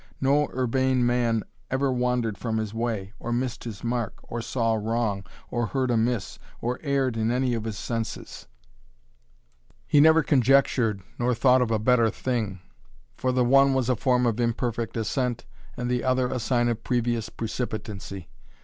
No urbane man ever wandered from his way, or missed his mark, or saw wrong, or heard amiss, or erred in any of his senses; he never conjectured nor thought of a better thing, for the one was a form of imperfect assent, and the other a sign of previous precipitancy.